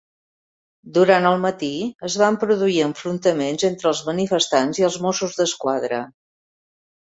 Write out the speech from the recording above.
Durant el matí es van produir enfrontaments entre els manifestants i els Mossos d'Esquadra.